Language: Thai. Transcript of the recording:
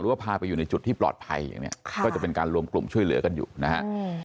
ว่าพาไปอยู่ในจุดที่ปลอดภัยอย่างนี้ก็จะเป็นการรวมกลุ่มช่วยเหลือกันอยู่นะฮะ